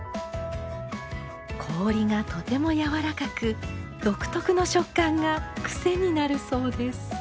氷がとてもやわらかく独特の食感がクセになるそうです。